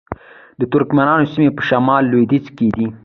د ترکمنانو سیمې په شمال لویدیځ کې دي